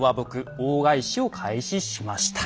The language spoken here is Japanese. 大返しを開始しました。